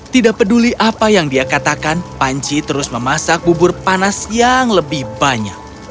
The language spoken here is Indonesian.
tidak peduli apa yang dia katakan panci terus memasak bubur panas yang lebih banyak